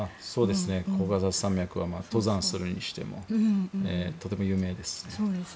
コーカサス山脈は登山するにしてもとても有名ですね。